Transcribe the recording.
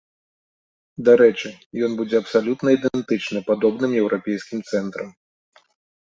Дарэчы, ён будзе абсалютна ідэнтычны падобным еўрапейскім цэнтрам.